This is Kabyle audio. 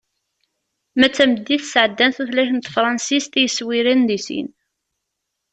Ma d tameddit, sɛeddan tutlayt n tefransist i yiswiren deg sin.